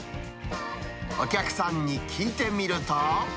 お客さんに聞いてみると。